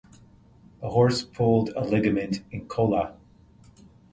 A horse pulled a ligament in cola.